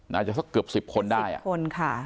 น่าจะสักเกือบ๑๐คนได้อ่ะคนค่ะ